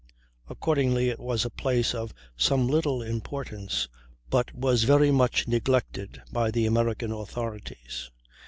Accordingly it was a place of some little importance, but was very much neglected by the American authorities.